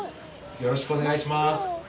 よろしくお願いします。